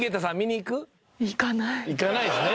行かないですね。